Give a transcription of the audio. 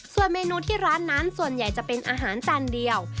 ส่วนเมนูที่ร้านนั้นส่วนใหญ่จะเป็นอาหารจานเดียว